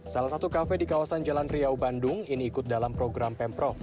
salah satu kafe di kawasan jalan riau bandung ini ikut dalam program pemprov